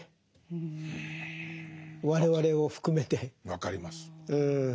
分かります。